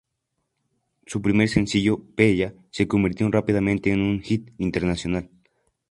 Su primer sencillo "Bella" se convirtió rápidamente en un hit internacional.